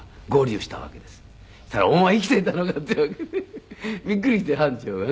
そしたら「お前生きていたのか」っていうわけでびっくりして班長がね。